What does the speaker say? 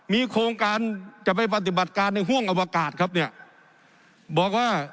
มีโครงการจะไปปฏิบัติการในห่วงอวกาศครับเนี่ยบอกว่า